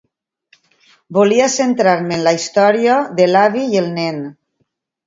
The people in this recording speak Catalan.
Volia centrar-me en la història de l’avi i el nen.